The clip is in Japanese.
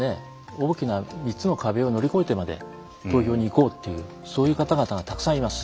大きな３つの壁を乗り越えてまで投票に行こうっていうそういう方々がたくさんいます。